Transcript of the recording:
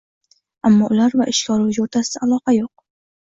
Ammo ular va ishga oluvchi o‘rtasida aloqa yo‘q.